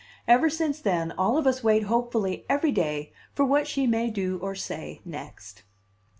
Ever since then all of us wait hopefully every day for what she may do or say next.